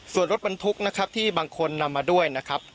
ส่วนรถบรรทุกนะครับที่บางคนนำมาด้วยนะครับ